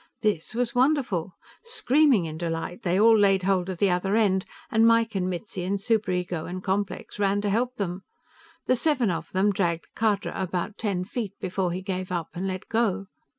This was wonderful; screaming in delight, they all laid hold of the other end, and Mike and Mitzi and Superego and Complex ran to help them. The seven of them dragged Khadra about ten feet before he gave up and let go.